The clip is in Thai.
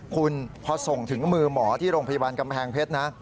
คุณพอส่งถึงมือหมอที่โรงพยาบาลกำแพงเพชรนะ